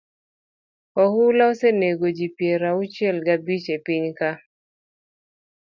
Oula osenego ji piero auchiel gabich e pinywa ka.